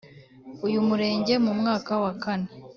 Uyu murenge mu mwaka wa kane